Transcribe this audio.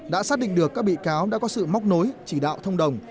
đã xác định được các bị cáo đã có sự móc nối chỉ đạo thông đồng